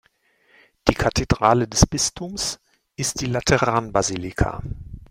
Die Kathedrale des Bistums ist die Lateranbasilika.